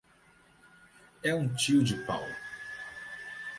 É um tio de pau.